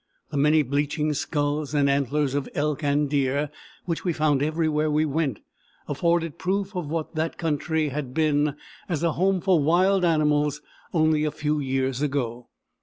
The many bleaching skulls and antlers of elk and deer, which we found everywhere we went, afforded proof of what that country had been as a home for wild animals only a few years ago.